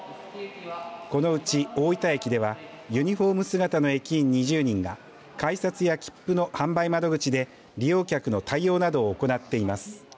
このうち大分駅ではユニフォーム姿の駅員２０人が改札や切符の販売窓口で利用客の対応などを行っています。